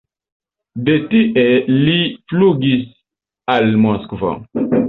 De tie li flugis al Moskvo.